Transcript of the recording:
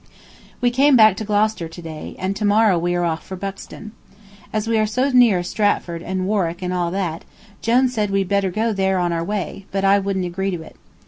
We came back to Gloucester to day, and to morrow we are off for Buxton. As we are so near Stratford and Warwick and all that, Jone said we'd better go there on our way, but I wouldn't agree to it.